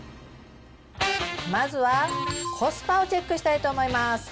まずはコスパをチェックしたいと思います。